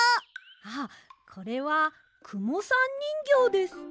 あこれはくもさんにんぎょうです。